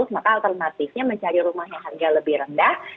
maka alternatifnya mencari rumah yang harga lebih rendah